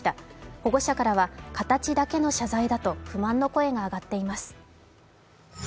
保護者からは形だけの謝罪だと不満の声が上がっています。